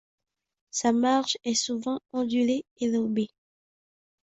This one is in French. Sa marge est souvent ondulée et lobée.